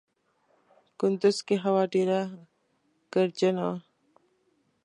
کندوز کې هوا ډېره ګردجنه وه.